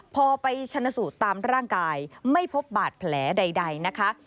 พอไปชนสูตรตามร่างกายไม่พบบาดแผลใดนะคะ